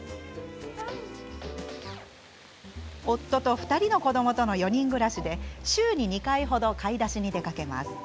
夫と２人の子どもとの４人暮らしで週に２回程買い出しに出かけます。